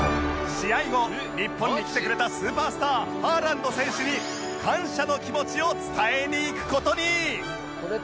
試合後日本に来てくれたスーパースターハーランド選手に感謝の気持ちを伝えに行く事に